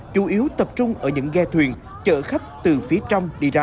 chủ yếu tập trung ở những ghe thuyền chở khách từ phía trong đi ra